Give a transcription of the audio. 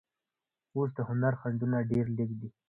اوس د هنر خنډونه ډېر لږ دي.